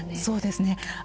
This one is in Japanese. そうですね。